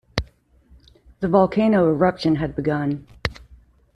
The volcano eruption had begun.